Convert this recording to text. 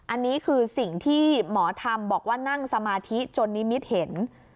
อันนี้คือสิ่งที่หมอทำบอกว่านั่งสมาธิจนนิมิตเห็น